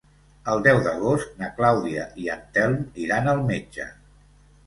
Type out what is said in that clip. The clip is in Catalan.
El deu d'agost na Clàudia i en Telm iran al metge.